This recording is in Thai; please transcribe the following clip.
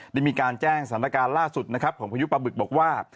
ได้มีการแจ้งสถานการณ์ล่าสุดนะครับของพายุปลาบึกบอกว่า